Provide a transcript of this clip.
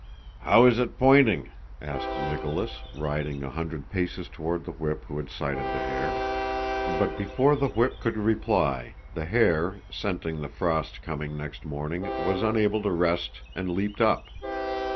"How is it pointing?" asked Nicholas, riding a hundred paces toward the whip who had sighted the hare. But before the whip could reply, the hare, scenting the frost coming next morning, was unable to rest and leaped up.